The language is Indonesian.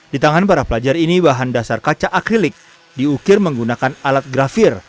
di tangan para pelajar ini bahan dasar kaca akrilik diukir menggunakan alat grafir